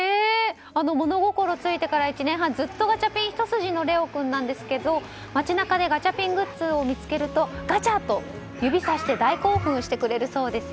物心ついてから１年半ずっとガチャピン一筋の令凰君なんですが街中でガチャピングッズを見つけるとガチャ！と指さして大興奮してくれるそうです。